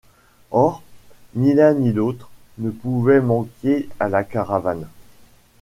Or, ni l’un ni l’autre ne pouvaient manquer à la caravane.